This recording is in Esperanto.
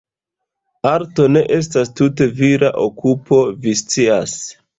Arto ne estas tute vira okupo, vi scias.